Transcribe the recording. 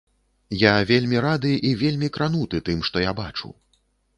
Я вельмі рады і вельмі крануты тым, што я бачу.